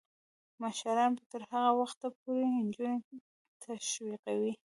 مشران به تر هغه وخته پورې نجونې تشویقوي.